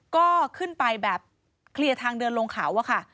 ก็ขึ้นไปแบบเคลียร์ทางเดินลงเขาอะค่ะ